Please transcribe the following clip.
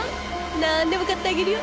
なんでも買ってあげるよ。